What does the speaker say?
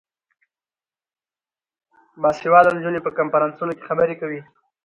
باسواده نجونې په کنفرانسونو کې خبرې کوي.